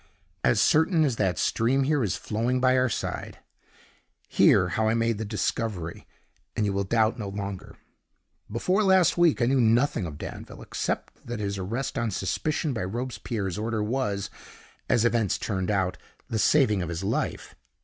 "As certain as that the stream here is flowing by our side. Hear how I made the discovery, and you will doubt no longer. Before last week I knew nothing of Danville, except that his arrest on suspicion by Robespierre's order was, as events turned out, the saving of his life.